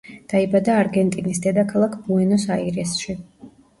დაიბადა არგენტინის დედაქალაქ ბუენოს-აირესში.